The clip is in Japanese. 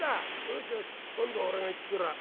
「よしよし今度は俺が行ってくらあ。